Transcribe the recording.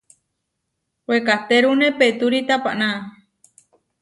Wekatérune petúri tapaná.